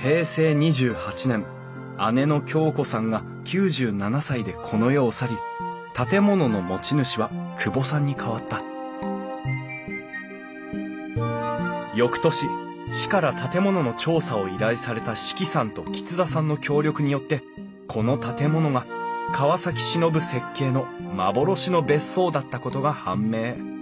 平成２８年姉の京子さんが９７歳でこの世を去り建物の持ち主は久保さんに代わった翌年市から建物の調査を依頼された志岐さんと橘田さんの協力によってこの建物が川崎忍設計の幻の別荘だったことが判明